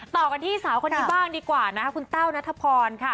ต่อกันที่สาวคนนี้บ้างดีกว่านะคะคุณแต้วนัทพรค่ะ